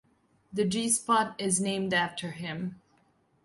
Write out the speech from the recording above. The G-Spot is named after him.